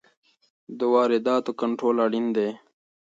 د وارداتو کنټرول اړین دی.